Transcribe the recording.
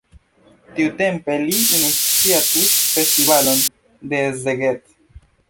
Tiutempe li iniciatis festivalon de Szeged.